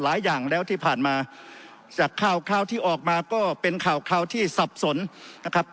หลายอย่างแล้วที่ผ่านมาจากข่าวข่าวที่ออกมาก็เป็นข่าวคราวที่สับสนนะครับ